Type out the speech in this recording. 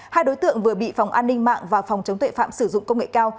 hai đối tượng vừa bị phòng an ninh mạng và phòng chống tuệ phạm sử dụng công nghệ cao